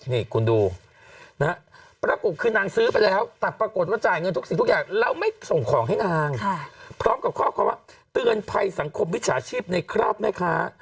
นี่คุณดูนะฮะปรากฏคือนางซื้อไปแล้วแต่ปรากฏว่าจ่ายเงินทุกสิ่งทุกอย่างแล้วไม่ส่งของให้นางพร้อมกับข้อความว่าเตือนภัยสังคมวิชาชีพในคราบแม่ค้า